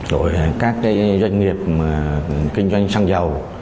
rồi các doanh nghiệp kinh doanh xăng dầu